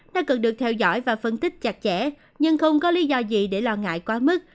nó cần được theo dõi và phân tích chặt chẽ nhưng không có lý do gì để lo ngại quá mức